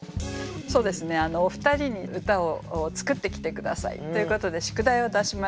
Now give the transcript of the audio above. そうですねお二人に歌を作ってきて下さいということで宿題を出しました。